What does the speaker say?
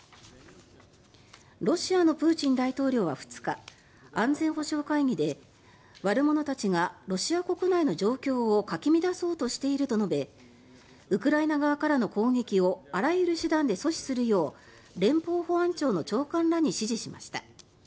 ロシアのプーチン大統領は２日安全保障会議で悪者たちがロシア国内の状況をかき乱そうとしていると述べウクライナ側からの攻撃をあらゆる手段で阻止するよう連邦保安庁の長官らに指示しました。